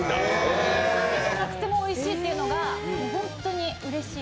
お店じゃなくてもおいしいっていうのが本当にうれしい。